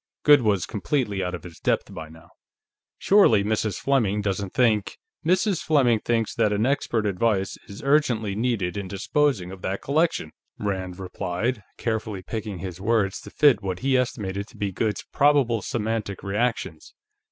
Goode was completely out of his depth by now. "Surely Mrs. Fleming doesn't think...?" "Mrs. Fleming thinks that expert advice is urgently needed in disposing of that collection," Rand replied, carefully picking his words to fit what he estimated to be Goode's probable semantic reactions.